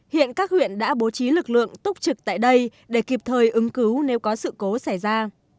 hiện các huyện đã bố trí lực lượng túc trực tại đây để kịp thời ứng cứu nếu có sự cố xảy ra